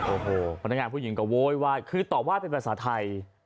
โอ้โหพนักงานผู้หญิงก็โวยวายคือตอบว่าเป็นภาษาไทย